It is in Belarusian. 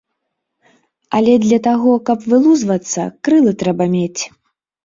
Але для таго, каб вылузвацца, крылы трэба мець.